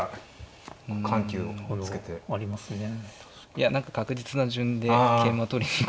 いや何か確実な順で桂馬取りに。